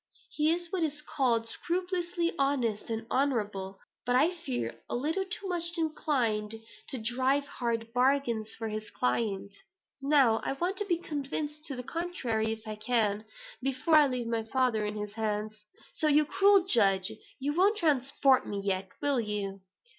He is what is called scrupulously honest and honorable; but I fear a little too much inclined to drive hard bargains for his client. Now I want to be convinced to the contrary, if I can, before I leave my father in his hands. So you cruel judge, you won't transport me yet, will you?"